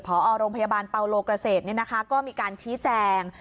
พอโรงพยาบาลเปาโลเกษตรก็มีการชี้แจง